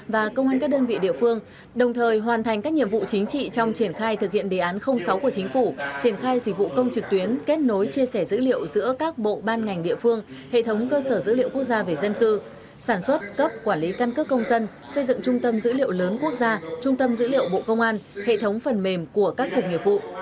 và công an các đơn vị địa phương đồng thời hoàn thành các nhiệm vụ chính trị trong triển khai thực hiện đề án sáu của chính phủ triển khai dịch vụ công trực tuyến kết nối chia sẻ dữ liệu giữa các bộ ban ngành địa phương hệ thống cơ sở dữ liệu quốc gia về dân cư sản xuất cấp quản lý căn cước công dân xây dựng trung tâm dữ liệu lớn quốc gia trung tâm dữ liệu bộ công an hệ thống phần mềm của các cục nghiệp vụ